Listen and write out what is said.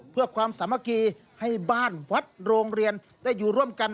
เพื่อความสามัคคีให้บ้านวัดโรงเรียนได้อยู่ร่วมกัน